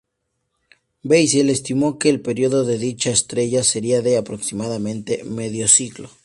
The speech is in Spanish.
Bessel estimó que el período de dicha estrella sería de, aproximadamente, medio siglo.